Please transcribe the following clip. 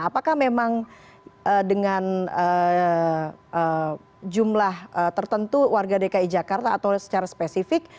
apakah memang dengan jumlah tertentu warga dki jakarta atau secara spesifik